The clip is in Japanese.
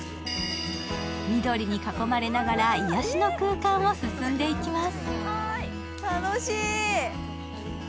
緑に囲まれながら癒やしの空間を進んでいきます。